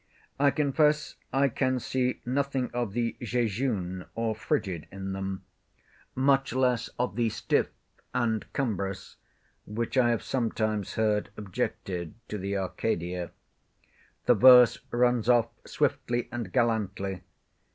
I confess I can see nothing of the "jejune" or "frigid" in them; much less of the "stiff" and "cumbrous"—which I have sometimes heard objected to the Arcadia. The verse runs off swiftly and gallantly.